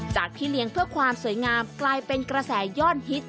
ที่เลี้ยงเพื่อความสวยงามกลายเป็นกระแสยอดฮิต